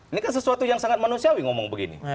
ini kan sesuatu yang sangat manusiawi ngomong begini